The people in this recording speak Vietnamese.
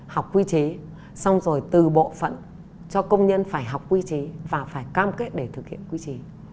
học quy chế xong rồi từ bộ phận cho công nhân phải học quy chế và phải cam kết để thực hiện quy trình